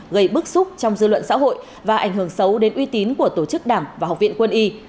gây bức xúc trong dư luận xã hội và ảnh hưởng xấu đến uy tín của tổ chức đảng và học viện quân y